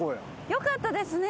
よかったですね